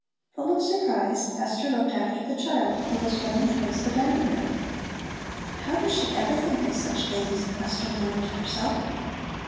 Full of surprise, Esther looked after the child, who was running towards the dining room. "How does she ever think of such things," Esther murmured to herself.